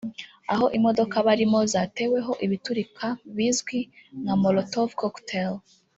aho imodoka barimo zateweho ibiturika bizwi nka Molotov Cocktail